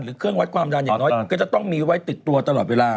เครื่องวัดความดันอย่างน้อยก็จะต้องมีไว้ติดตัวตลอดเวลา